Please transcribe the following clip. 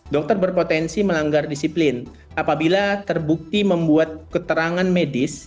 dokter berpotensi melanggar disiplin apabila terbukti membuat keterangan medis